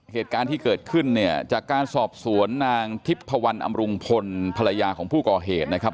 เหตุการณ์ที่เกิดขึ้นเนี่ยจากการสอบสวนนางทิพพวันอำรุงพลภรรยาของผู้ก่อเหตุนะครับ